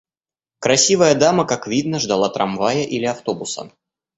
Красивая дама, как видно, ждала трамвая или автобуса.